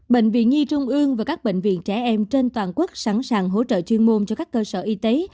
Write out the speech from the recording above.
bệnh viện nhi trung ương và các bệnh viện trẻ em trên toàn quốc sẵn sàng hỗ trợ chuyên môn cho các cơ sở y tế